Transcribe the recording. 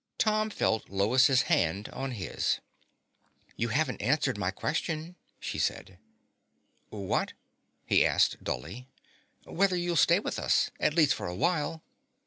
Tom felt Lois' hand on his. "You haven't answered my question," she said. "What?" he asked dully. "Whether you'll stay with us. At least for a while."